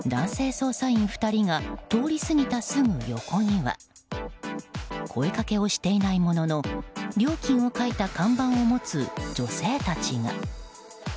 捜査員２人が通り過ぎたすぐ横には声かけをしていないものの料金を書いた看板を持つ女性たちが。